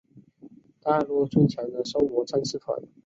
大陆最强的狩魔战士团。